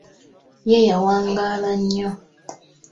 Ye yawangaala nnyo.